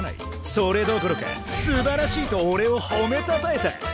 それどころかすばらしいとおれをほめたたえた。